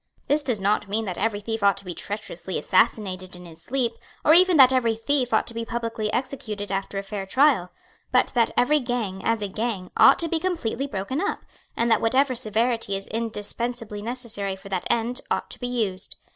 This does not mean that every thief ought to be treacherously assassinated in his sleep, or even that every thief ought to be publicly executed after a fair trial, but that every gang, as a gang, ought to be completely broken up, and that whatever severity is indispensably necessary for that end ought to be used.